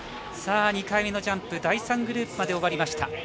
２回目のジャンプ第３グループまで終わりました。